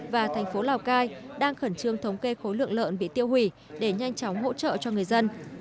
và thành phố lào cai đang khẩn trương thống kê khối lượng lợn bị tiêu hủy để nhanh chóng hỗ trợ cho người dân